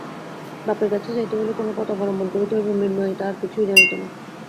বাপের কাছে যাইতে হইলে কোন পথ অবলম্বন করিতে হইবে মৃন্ময়ী তাহার কিছুই জানিত না।